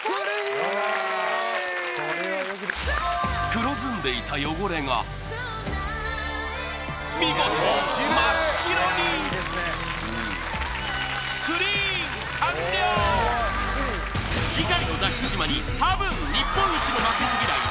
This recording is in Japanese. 黒ずんでいた汚れが見事真っ白に次回の脱出島にたぶん日本一の負けず嫌い